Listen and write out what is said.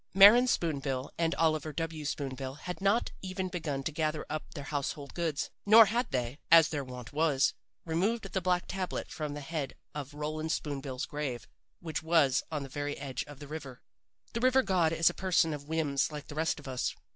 Maren Spoon bill and Oliver W. Spoon bill had not even begun to gather up their household goods, nor had they, as their wont was, removed the black tablet from the head of Roland Spoon bill's grave, which was on the very edge of the river. "The river god is a person of whims like the rest of us.